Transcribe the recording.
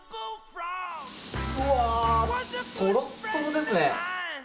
うわ、とろっとろですね。